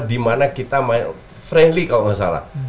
dimana kita main friendly kalau nggak salah